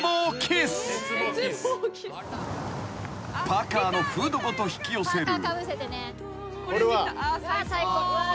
［パーカのフードごと引き寄せる］